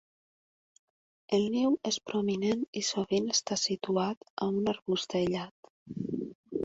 El niu és prominent i sovint està situat a un arbust aïllat.